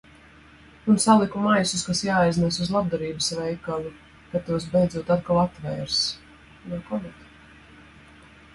Un saliku maisus kas jāaiznes uz labdarības veikalu. Kad tos beidzot atkal atvērs.